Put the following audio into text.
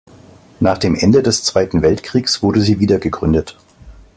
Nach dem Ende des Zweiten Weltkriegs wurde sie wiedergegründet.